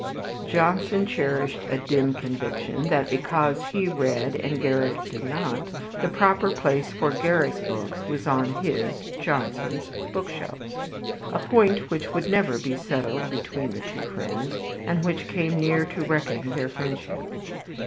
Johnson cherished a dim conviction that because he read, and Garrick did not, the proper place for Garrick's books was on his Johnson's bookshelves; a point which could never be settled between the two friends, and which came near to wrecking their friendship.